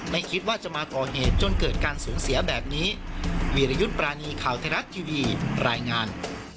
ไม่คิดว่าจะมาก่อเหตุจนเกิดการสูญเสียแบบนี้วีรยุทธ์ปรานีข่าวไทยรัฐทีวีรายงาน